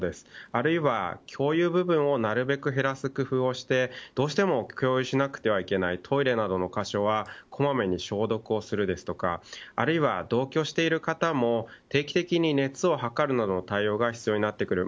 あるいは共有部分をなるべく減らす工夫をしてどうしても共有しなくてはいけないトイレなどの箇所はこまめに消毒をするとかあるいは同居している方も定期的に熱を測るなどの対応が必要になってくる。